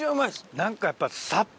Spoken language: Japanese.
何かやっぱ。